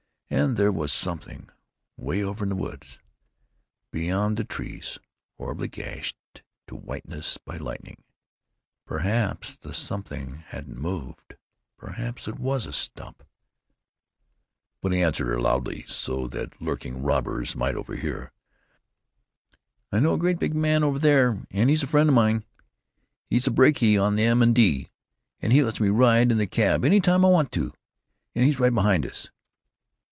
And there was Something, 'way over in the woods, beyond the trees horribly gashed to whiteness by lightning. Perhaps the Something hadn't moved; perhaps it was a stump—— But he answered her loudly, so that lurking robbers might overhear: "I know a great big man over there, and he's a friend of mine; he's a brakie on the M. & D., and he lets me ride in the caboose any time I want to, and he's right behind us.